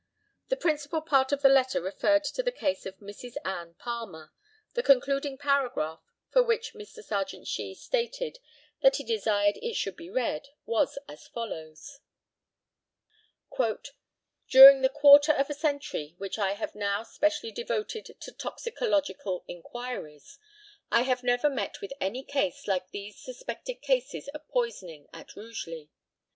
The principal part of the letter referred to the case of Mrs. Ann Palmer; the concluding paragraph, for which Mr. Serjeant Shee stated that he desired it should be read, was as follows: "During the quarter of a century which I have now specially devoted to toxicological inquiries, I have never met with any cases like these suspected cases of poisoning at Rugeley.